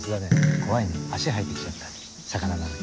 怖いね足生えて来ちゃった魚なのに。